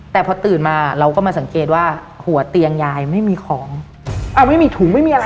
แต่พอตื่นมาเราก็มาสังเกตว่าหัวเตียงยายไม่มีของอ้าวไม่มีถุงไม่มีอะไร